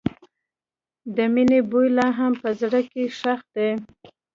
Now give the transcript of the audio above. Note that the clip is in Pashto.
د مینې بوی لا هم په زړګي کې ښخ دی.